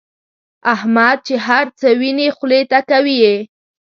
احمد چې هرڅه ویني خولې ته کوي یې.